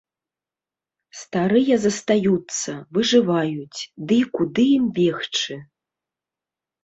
Старыя застаюцца, выжываюць, ды і куды ім бегчы?